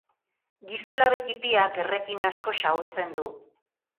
Gisu labe ttipiak errekin asko xahutzen du.